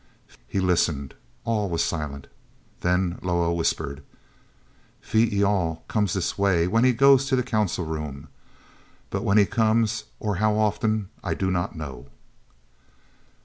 e listened. All was silent. Then Loah whispered: "Phee e al comes this way when he goes to the council room. But when he comes, or how often, I do not know."